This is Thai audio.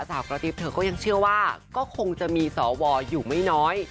สาวกระติ๊บเธอก็ยังเชื่อว่าก็คงจะมีสวอยู่ไม่น้อย